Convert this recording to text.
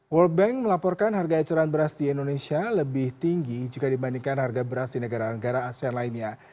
world bank melaporkan harga ecuran beras di indonesia lebih tinggi jika dibandingkan harga beras di negara negara asean lainnya